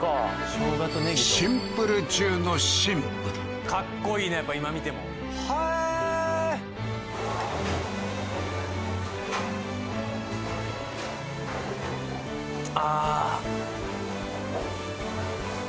シンプル中のシンプルかっこいいねやっぱ今見てもへえーあ